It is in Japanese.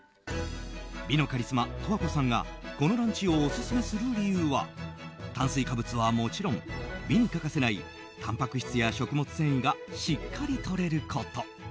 美のカリスマ十和子さんがこのランチをオススメする理由は炭水化物はもちろん美に欠かせないたんぱく質や食物繊維がしっかりとれること。